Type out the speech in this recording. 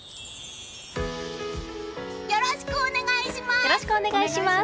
よろしくお願いします！